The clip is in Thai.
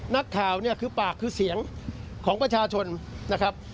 นักข่าวเนี่ยคือปากคือเสียงของประชาชนนะครับ